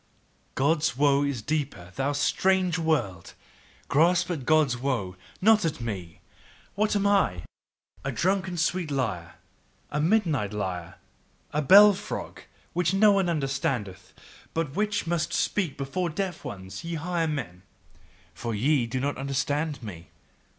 God's woe is deeper, thou strange world! Grasp at God's woe, not at me! What am I! A drunken sweet lyre, A midnight lyre, a bell frog, which no one understandeth, but which MUST speak before deaf ones, ye higher men! For ye do not understand me!